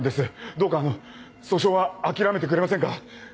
どうかあの訴訟は諦めてくれませんか。